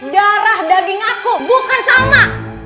darah daging aku bukan sama